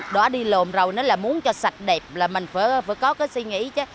đó đi lồm rầu là muốn cho sạch đẹp là mình phải có cái suy nghĩ chứ